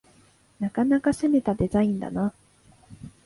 なかなか攻めたデザインだな